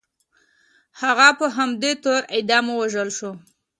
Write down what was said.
هغه په همدې تور اعدام او ووژل شو.